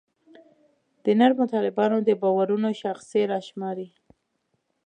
د نرمو طالبانو د باورونو شاخصې راشماري.